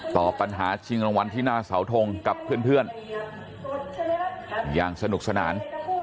ต่อปัญหาชิงรางวัลที่หน้าเสาทงกับเพื่อนอย่างสนุกสนาน